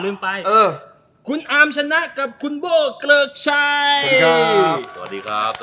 ลืมไปเออคุณอามชนะกับคุณโบ้เกลิกชัยสวัสดีครับสวัสดีครับ